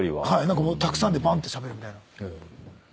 たくさんでしゃべるみたいな。